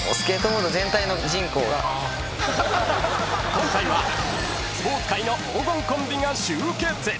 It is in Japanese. ［今回はスポーツ界の黄金コンビが集結］